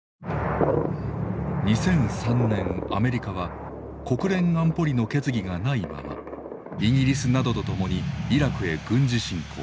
２００３年アメリカは国連安保理の決議がないままイギリスなどと共にイラクへ軍事侵攻。